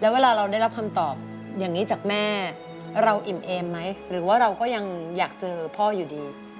แล้วเวลาเราได้รับคำตอบอย่างนี้จากแม่เราอิ่มเอมไหมหรือว่าเราก็ยังอยากเจอพ่ออยู่ดี